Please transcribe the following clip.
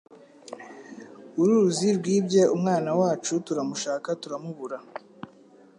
Uruzi rwibye umwana wacu turamushaka turamubura